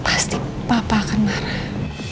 pasti papa akan marah